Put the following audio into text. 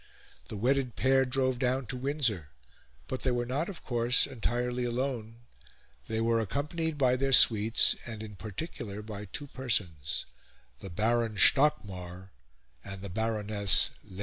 The wedded pair drove down to Windsor; but they were not, of course, entirely alone. They were accompanied by their suites, and, in particular, by two persons the Baron Stockmar and the Baroness Lehzen.